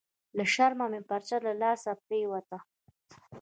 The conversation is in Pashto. لهٔ شرمه مې برچه لهٔ لاسه پریوته… »